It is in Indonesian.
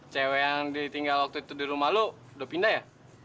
cewek yang ditinggal waktu itu di rumah lu udah pindah ya